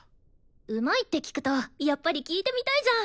うまいって聞くとやっぱり聴いてみたいじゃん。